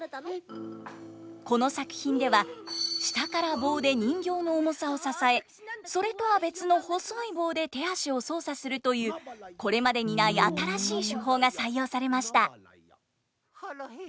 この作品では下から棒で人形の重さを支えそれとは別の細い棒で手足を操作するというこれまでにない新しい手法が採用されました。